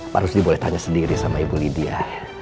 pak rusdi boleh tanya sendiri sama ibu lydia